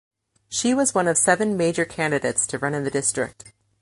She was one of seven major candidates to run in the district.